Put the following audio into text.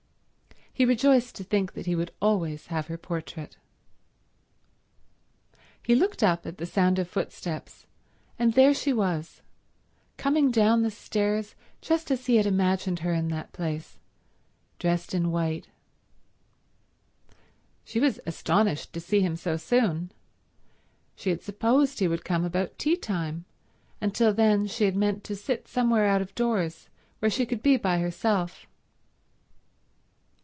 He rejoiced to think that he would always have her portrait. He looked up at the sound of footsteps, and there she was, coming down the stairs just as he had imagined her in that place, dressed in white. She was astonished to see him so soon. She had supposed he would come about tea time, and till then she had meant to sit somewhere out of doors where she could be by herself.